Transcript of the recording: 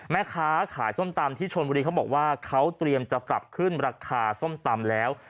แม่ค้าขายส้มตำที่ชนบุรีเขาบอกว่าเขาเตรียมจะปรับขึ้นราคาส้มตำแล้ว